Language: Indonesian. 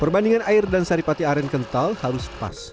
perbandingan air dan saripati aren kental halus pas